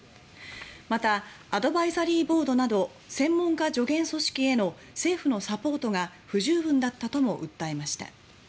また、アドバイザリーボードなど専門家助言組織への政府のサポートが不十分だったとも訴えました。